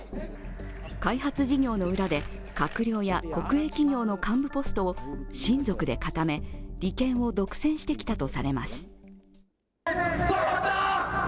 開発事業の裏で閣僚や国営企業の幹部ポストを親族で固め利権を独占してきたとされます。